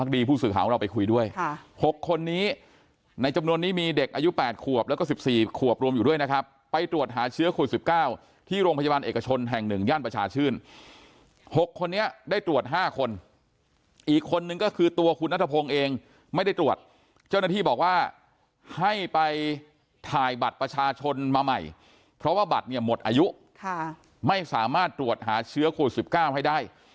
เด็กอายุแปดขวบแล้วก็สิบสี่ขวบรวมอยู่ด้วยนะครับไปตรวจหาเชื้อโควิดสิบเก้าที่โรงพยาบาลเอกชนแห่งหนึ่งย่านประชาชื่นหกคนนี้ได้ตรวจห้าคนอีกคนนึงก็คือตัวคุณนัทพงเองไม่ได้ตรวจเจ้าหน้าที่บอกว่าให้ไปถ่ายบัตรประชาชนมาใหม่เพราะว่าบัตรเนี่ยหมดอายุค่ะไม่สามารถตรวจหาเชื้อโควิด